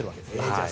じゃあ